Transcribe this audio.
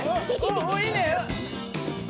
おおっいいね！